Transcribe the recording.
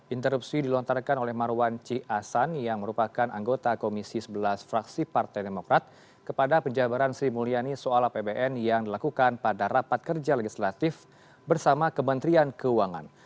interupsi dilontarkan oleh marwan ci ahsan yang merupakan anggota komisi sebelas fraksi partai demokrat kepada penjabaran sri mulyani soal apbn yang dilakukan pada rapat kerja legislatif bersama kementerian keuangan